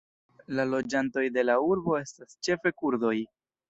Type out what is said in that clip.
La loĝantoj de la urbo estas ĉefe kurdoj.